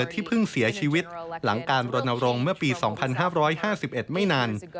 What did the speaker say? ที่เพิ่งเสียชีวิตหลังการรณรงค์เมื่อปี๒๕๕๑ไม่นาน